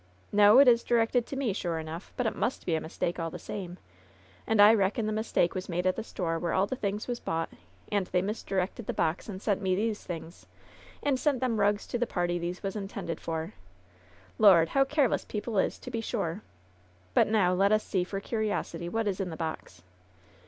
"No ! It is directed to me, sure enough, but it must be a mistake, all the same. And I reckon the mistake was made at the store where all the things was bought, and they misdirected the box, and sent me these things, and sent them rugs to the party these was intended lot. Lord ! how careless people is, to be sure ! But now let us see for curiosity what is in the box."